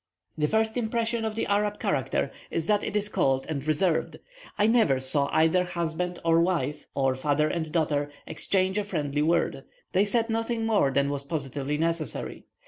The first impression of the Arab character is that it is cold and reserved; I never saw either husband and wife, or father and daughter, exchange a friendly word; they said nothing more than was positively necessary.